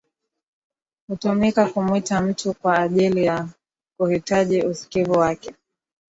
Hutumika kumwita mtu kwa ajili ya kuhitaji usikivu wake